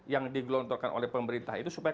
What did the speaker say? yang digelontorkan oleh pemerintah itu supaya